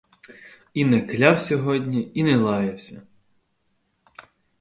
І не кляв сьогодні, і не лаявся.